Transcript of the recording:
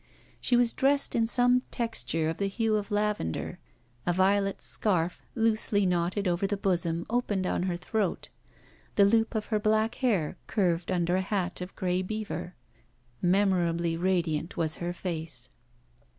She was dressed in some texture of the hue of lavender. A violet scarf loosely knotted over the bosom opened on her throat. The loop of her black hair curved under a hat of gray beaver. Memorably radiant was her face.